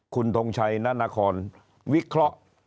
คุณทงชัยนานครวิเคราะห์